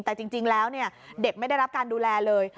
แต่จริงแล้วเด็กไม่ได้รับการดูแลเลย